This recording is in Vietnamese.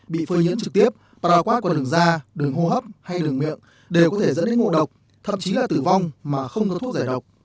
bị phơi nhẫn trực tiếp paraquat qua đường da đường hô hấp hay đường miệng đều có thể dẫn đến ngộ độc thậm chí là tử vong mà không có thuốc giải độc